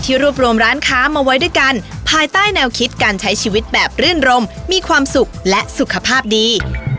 รวบรวมร้านค้ามาไว้ด้วยกันภายใต้แนวคิดการใช้ชีวิตแบบรื่นรมมีความสุขและสุขภาพดี